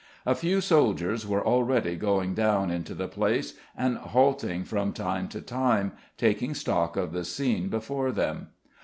A few soldiers were already going down into the place and halting from time to time, taking stock of the scene before them.